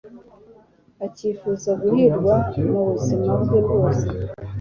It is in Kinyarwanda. akifuza guhirwa mu buzima bwe bwose